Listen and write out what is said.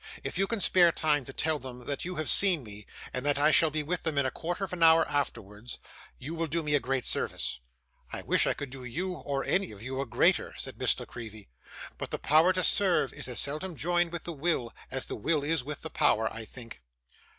If you can spare time to tell them that you have seen me, and that I shall be with them in a quarter of an hour afterwards, you will do me a great service.' 'I wish I could do you, or any of you, a greater,' said Miss La Creevy; 'but the power to serve, is as seldom joined with the will, as the will is with the power, I think.